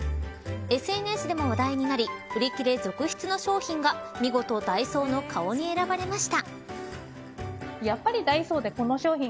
ＳＮＳでも話題になり売り切れ続出の商品が見事ダイソーの顔に選ばれました。